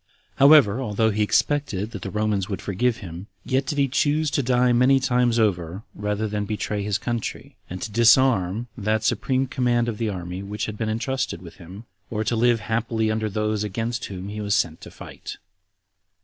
However, although he expected that the Romans would forgive him, yet did he choose to die many times over, rather than to betray his country, and to dishonor that supreme command of the army which had been intrusted with him, or to live happily under those against whom he was sent to fight.